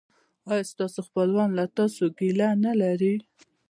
ایا ستاسو خپلوان له تاسو ګیله نلري؟